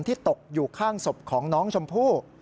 ตกอยู่ข้างศพของน้องชมพู่